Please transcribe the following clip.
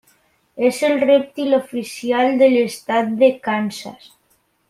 És el rèptil oficial de l'estat de Kansas.